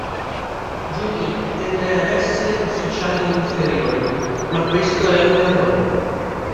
Jun'i tende ad essere ufficiali inferiori, ma questo è un errore.